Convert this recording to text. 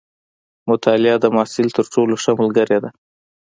مطالعه د محصل تر ټولو ښه ملګرې ده.